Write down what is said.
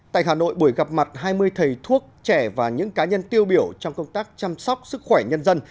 tại hà nội buổi gặp mặt hai mươi thầy thuốc trẻ và những cá nhân tiêu biểu trong công tác chăm sóc sức khỏe nhân dân